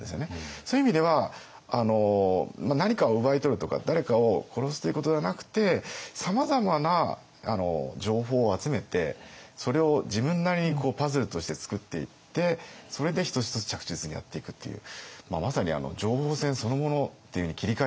そういう意味では何かを奪い取るとか誰かを殺すということではなくてさまざまな情報を集めてそれを自分なりにパズルとして作っていってそれで一つ一つ着実にやっていくっていうまさに情報戦？